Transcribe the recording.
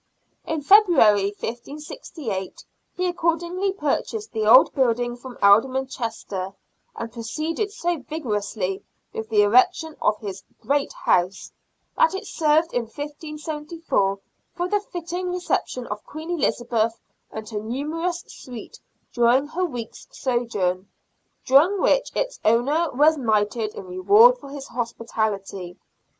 In February, 1568, he accordingly purchased the old building from Alderman Chester, and proceeded so vigorously with the erection of his " Great House " that it served, in 1574, for the fitting reception of Queen Elizabeth and her numerous suite during her week's sojourn, during which its owner was knighted in reward for his hospitality.